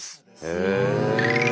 へえ。